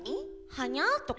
「はにゃ」とか。